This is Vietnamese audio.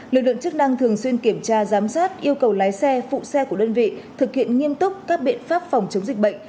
lực lượng chức năng thường xuyên kiểm tra giám sát yêu cầu lái xe phụ xe của đơn vị thực hiện nghiêm túc các biện pháp phòng chống dịch bệnh